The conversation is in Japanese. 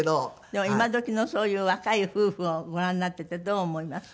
でも今どきのそういう若い夫婦をご覧になっててどう思います？